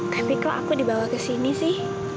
tapi kok aku dibawa kesini sih